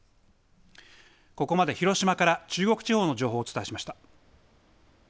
ここまで広島から中国地方の情報をお伝えしました。